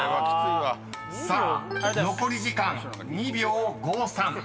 ［さあ残り時間２秒５３］